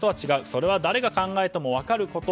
それは誰が考えても分かること。